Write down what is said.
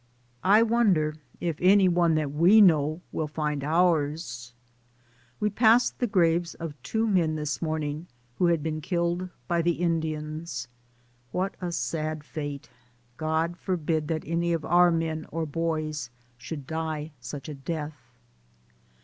I wonder if any one that we know will find ours? We passed the graves of two men this morning who had been killed by the Indians. What a sad DAYS ON THE ROAD. 141 fate; God forbid that any of our men or boys should die such a death.